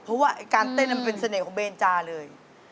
เพราะว่าการเต้นมันเป็นเสน่ห์เบนจาเลย